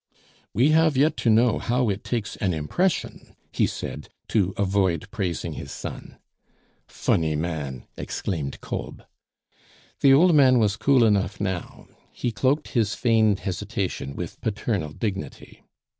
"We have yet to know how it takes an impression," he said, to avoid praising his son. "Funny man!" exclaimed Kolb. The old man was cool enough now. He cloaked his feigned hesitation with paternal dignity.